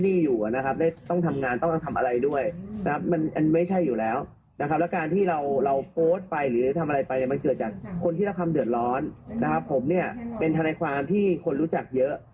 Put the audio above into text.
เป็นทางในความที่คนรู้จักเยอะ